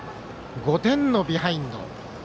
５点のビハインド。